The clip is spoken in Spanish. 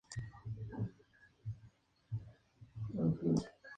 Es una isla de origen volcánico.